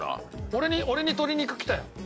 俺に俺に鶏肉来たよ。